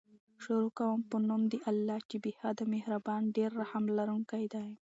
شروع کوم په نوم د الله چې بې حده مهربان ډير رحم لرونکی دی